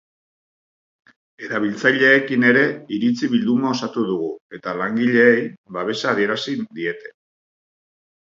Erabiltzaileekin ere iritzi bilduma osatu dugu eta langileei babesa adierazi diete.